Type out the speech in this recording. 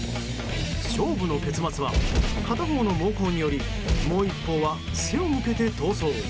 勝負の結末は、片方の猛攻によりもう一方は背を向けて逃走。